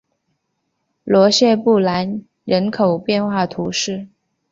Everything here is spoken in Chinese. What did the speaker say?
罗谢布兰人口变化图示